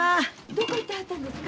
どこ行ってはったんですか？